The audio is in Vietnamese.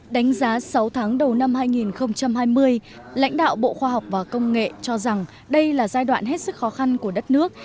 đánh giá sáu tháng đầu năm hai nghìn hai mươi lãnh đạo bộ khoa học và công nghệ cho rằng đây là giai đoạn hết sức khó khăn của đất nước